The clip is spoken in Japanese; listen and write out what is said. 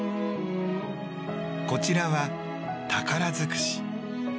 こちらは宝尽くし。